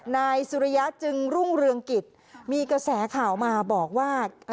นายสุริยะจึงรุ่งเรืองกิจมีกระแสข่าวมาบอกว่า